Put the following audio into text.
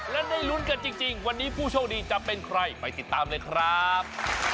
และได้ลุ้นกันจริงวันนี้ผู้โชคดีจะเป็นใครไปติดตามเลยครับ